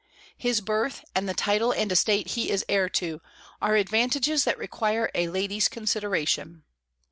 His birth, and the title and estate he is heir to, are advantages that require a lady's consideration.